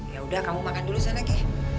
yaudah kamu makan dulu san lagi